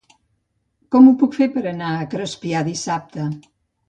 Com ho puc fer per anar a Crespià dissabte?